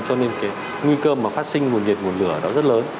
cho nên cái nguy cơ mà phát sinh nguồn nhiệt nguồn lửa nó rất lớn